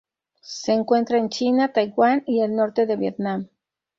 Se encuentra en China, Taiwán y el norte de Vietnam.